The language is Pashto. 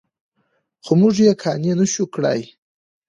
خو موږ یې قانع نه شوو کړی.